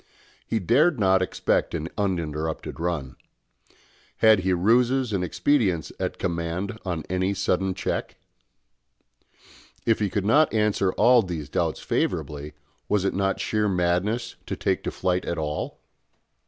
He dared not expect an uninterrupted run. Had he ruses and expedients at command on any sudden check? If he could not answer all these doubts favourably, was it not sheer madness to take to flight at all?